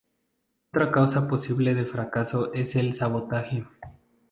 Otra causa posible de fracaso es el sabotaje.